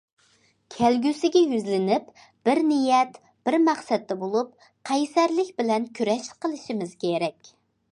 كەلگۈسىگە يۈزلىنىپ، بىر نىيەت، بىر مەقسەتتە بولۇپ، قەيسەرلىك بىلەن كۈرەش قىلىشىمىز كېرەك.